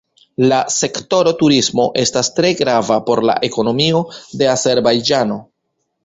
La sektoro turismo estas tre grava por la ekonomio de Azerbajĝano.